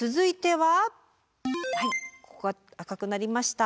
はいここが赤くなりました。